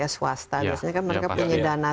swasta biasanya kan mereka punya dana